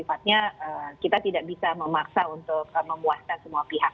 sifatnya kita tidak bisa memaksa untuk memuaskan semua pihak